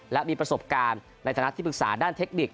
และมีประสบการณ์ในฐานะที่ปรึกษาด้านเทคนิค